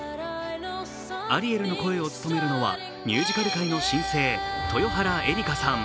アリエルの声を務めるのはミュージカル界の新星豊原江理佳さん。